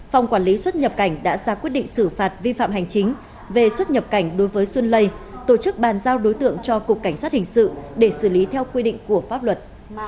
phòng quản lý xuất nhập cảnh đã ra quyết định xử phạt vi phạm hành chính về xuất nhập cảnh đối với xuân lây tổ chức bàn giao đối tượng cho cục cảnh sát hình sự để xử lý theo quy định của pháp luật